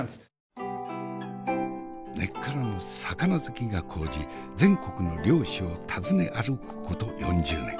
根っからの魚好きが高じ全国の漁師を訪ね歩くこと４０年。